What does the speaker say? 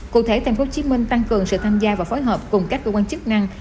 cụ thể tp hcm tăng cường sự tham gia và phối hợp cùng các cơ quan chức năng